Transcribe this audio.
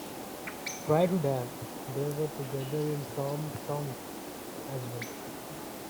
Prior to that, they were together in Tom Tomsk as well.